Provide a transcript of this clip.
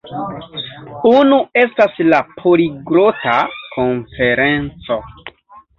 Unu estas la Poliglota Konferenco